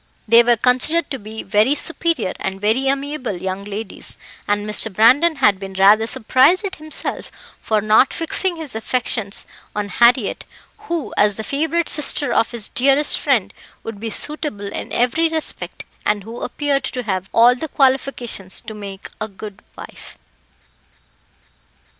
They were considered to be very superior and very amiable young ladies, and Mr. Brandon had been rather surprised at himself for not fixing his affections on Harriett, who, as the favourite sister of his dearest friend, would be suitable in every respect, and who appeared to have all the qualifications to make a good wife.